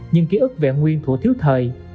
những ký ức vẹn nguyên thủ thiếu thời